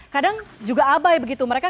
kadang juga abai begitu